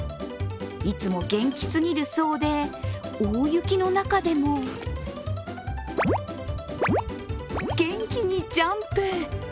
いつも元気すぎるそうで、大雪の中でも元気にジャンプ。